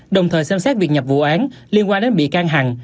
đồng thời xem xét việc nhập vụ án liên quan đến bị can hằng